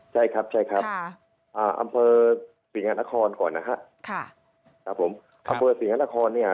ใช่ครับใช่ครับอ่าอำเภอสิงหานครก่อนนะฮะค่ะครับผมอำเภอศรีหานครเนี่ย